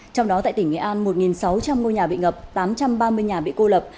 trong đó tại tỉnh nghệ an một sáu trăm linh ngôi nhà bị ngập tám trăm ba mươi nhà bị cô lập